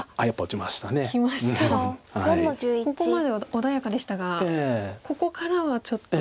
ここまでは穏やかでしたがここからはちょっと。